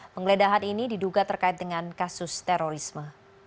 penggeledahan ini diduga terkait dengan kasus terorisme